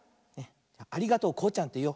「ありがとうこうちゃん」っていおう。